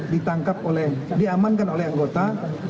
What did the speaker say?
ditangkap oleh diamankan oleh anggota